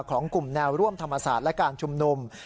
ของกลุ่มแนวร่วมธรรมศาสตร์และการชุมนุม